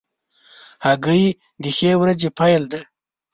هګۍ د ښې ورځې پیل دی.